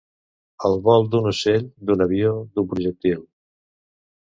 El vol d'un ocell, d'un avió, d'un projectil.